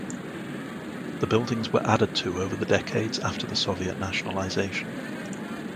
The buildings were added to over the decades after the Soviet nationalisation.